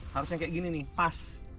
harusnya seperti ini pas